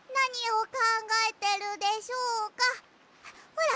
ほら！